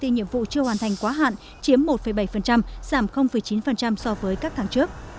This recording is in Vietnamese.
hai trăm hai mươi bốn nhiệm vụ chưa hoàn thành quá hạn chiếm một bảy giảm chín so với các tháng trước